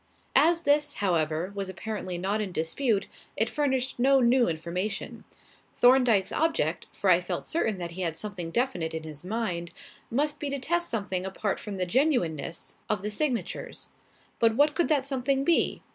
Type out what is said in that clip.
As this, however, was apparently not in dispute, it furnished no new information. Thorndyke's object for I felt certain that he had something definite in his mind must be to test something apart from the genuineness of the signatures. But what could that something be?